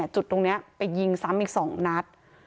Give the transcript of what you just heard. จุดตรงนี้ไปยิงซ้ำอีก๒นัด